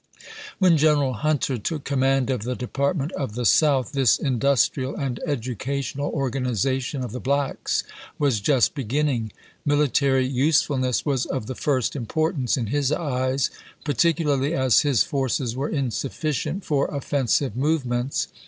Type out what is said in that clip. When General Hunter took command of the ^f^^j^^' Department of the South, this industrial and educational organization of the blacks was just beginning. Military usefulness was of the first importance in his eyes, particularly as his forces were insufficient for offensive movements.